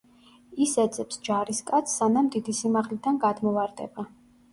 ის ეძებს ჯარისკაცს, სანამ დიდი სიმაღლიდან გადმოვარდება.